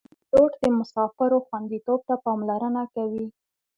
پیلوټ د مسافرو خوندیتوب ته پاملرنه کوي.